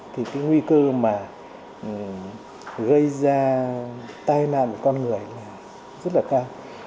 thì cái nguy cư mà gây ra tai nạn của con người là rất là cao